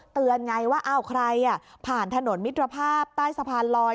เตือนไงว่าอ้าวใครผ่านถนนมิตรภาพใต้สะพานลอย